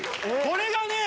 これがね